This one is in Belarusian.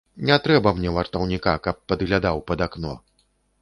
Не трэба мне вартаўніка, каб падглядаў пад акно.